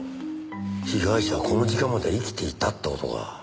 被害者はこの時間までは生きていたって事か。